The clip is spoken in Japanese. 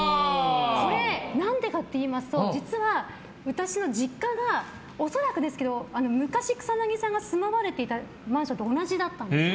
これ、何でかといいますと実は、私の実家が恐らくですけど昔、草なぎさんが住まわれていたマンションと一緒だったんです。